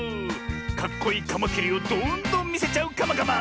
かっこいいカマキリをどんどんみせちゃうカマカマ。